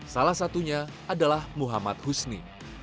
salah satunya adalah muhammad husni